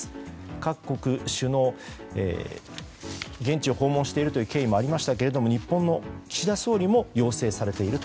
各国首脳、現地を訪問しているという経緯もありましたが日本の岸田総理も要請されていると。